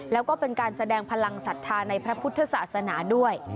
แล้วก็เป็นการแสดงพลังศรัทธาในพระพุทธศาสนาด้วย